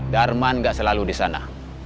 darman gak selalu di sana